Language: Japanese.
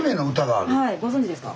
はいご存じですか？